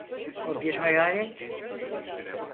O bir hayalet.